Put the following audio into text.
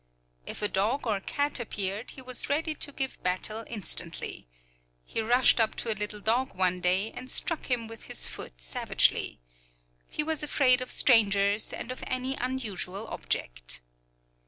If a dog or cat appeared, he was ready to give battle instantly. He rushed up to a little dog one day, and struck him with his foot savagely. He was afraid of strangers, and of any unusual object.